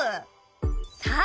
さあ